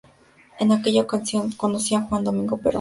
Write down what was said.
En aquella ocasión, conoció a Juan Domingo Perón.